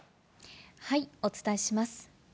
お伝えします。